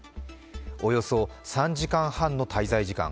およそ３時間半の滞在時間。